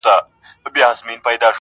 له میو چي پرهېز کوم پر ځان مي ژړا راسي!